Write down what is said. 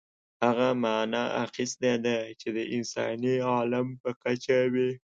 هغه معنا اخیستې ده چې د انساني عالم په کچه وي.